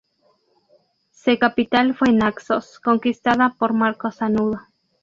Se capital fue Naxos, conquistada por Marco Sanudo.